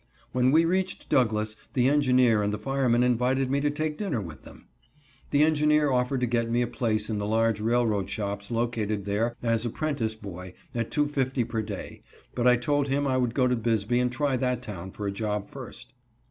When we reached Douglas the engineer and the fireman invited me to take dinner with them. The engineer offered to get me a place in the large railroad shops located there as apprentice boy at $2.50 per day, but I told him I would go on to Bisbee and try that town for a job first.